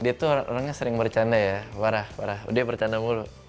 dia tuh orangnya sering bercanda ya parah parah dia bercanda mulu